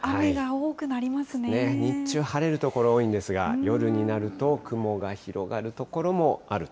日中晴れる所多いんですが、夜になると雲が広がる所もあると。